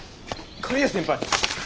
刈谷先輩！